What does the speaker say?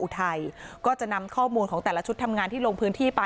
อุทัยก็จะนำข้อมูลของแต่ละชุดทำงานที่ลงพื้นที่ไป